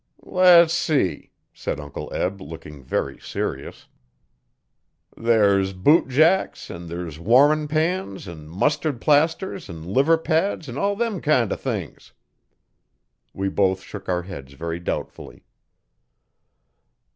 'Less see!' said Uncle Eb, looking very serious. 'There's bootjacks an' there's warmin' pans 'n' mustard plasters 'n' liver pads 'n' all them kind o' things.' We both shook our heads very doubtfully.